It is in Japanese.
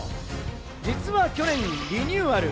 実は去年、リニューアル。